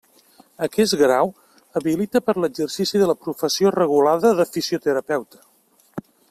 Aquest grau habilita per a l'exercici de la professió regulada de fisioterapeuta.